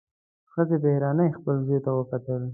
ښځې په حيرانۍ خپل زوی ته وکتل.